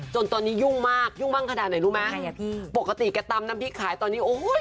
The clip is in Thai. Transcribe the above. จนตอนนี้ยุ่งมากยุ่งบ้างขนาดไหนรู้ไหมใครอ่ะพี่ปกติแกตำน้ำพริกขายตอนนี้โอ้ย